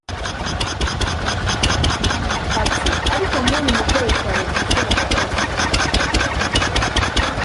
Ati “Ariko nk’uyu mubyeyi twareba igishoboka cyose pe